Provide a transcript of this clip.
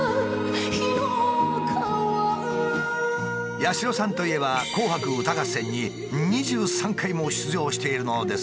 八代さんといえば「紅白歌合戦」に２３回も出場しているのですが。